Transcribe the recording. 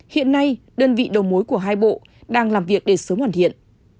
hiện nay đơn vị đầu mối của hai bộ đang làm việc để sớm hoàn thiện